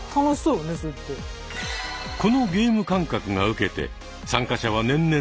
このゲーム感覚がウケて参加者は年々増加。